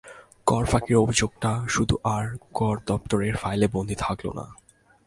কর ফাঁকির অভিযোগটা শুধু আর কর দপ্তরের ফাইলে বন্দী থাকল না।